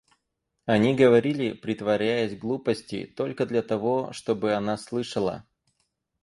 Они говорили, притворяясь, глупости, только для того, чтобы она слышала.